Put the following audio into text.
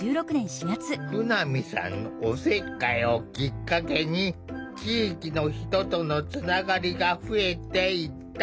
舩見さんのおせっかいをきっかけに地域の人とのつながりが増えていった。